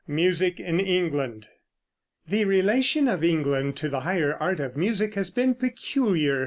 MUSIC IN ENGLAND. The relation of England to the higher art of music has been peculiar.